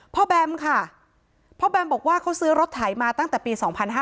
แบมค่ะพ่อแบมบอกว่าเขาซื้อรถไถมาตั้งแต่ปี๒๕๕๙